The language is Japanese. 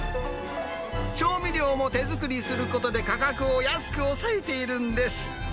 調味料も手作りすることで、価格を安く抑えているんです。